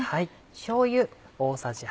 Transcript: しょうゆ。